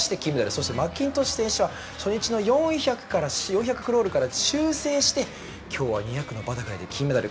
そしてマッキントッシュ選手は初日の４００クロールから修正して、今日は２００のバタフライで金メダル。